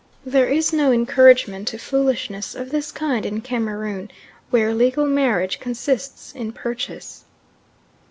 There is no encouragement to foolishness of this kind in Cameroon, where legal marriage consists in purchase.